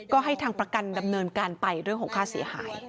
ก็ให้ทางประกันดำเนินการไปเรื่องของค่าเสียหาย